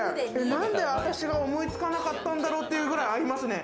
なんで私が思いつかなかったんだろうっていうくらい合いますね。